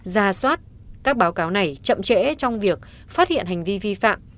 ra soát các báo cáo này chậm trễ trong việc phát hiện hành vi vi phạm